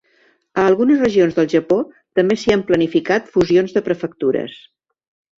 A algunes regions del Japó també s'hi han planificat fusions de prefectures.